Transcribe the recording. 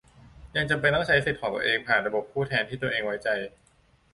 ยังจำเป็นต้องใช้สิทธิ์ของตัวเองผ่านระบบผู้แทนที่ตัวเองไว้ใจ